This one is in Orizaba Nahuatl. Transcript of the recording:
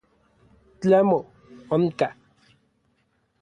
Tlamo, onka.